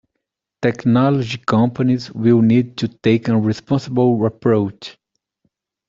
Technology companies will need to take a responsible approach.